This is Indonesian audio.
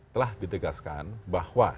telah ditegaskan bahwa